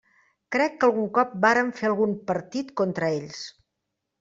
Crec que algun cop vàrem fer algun partit contra ells.